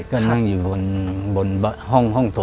ก็นั่งอยู่บนห้องโทร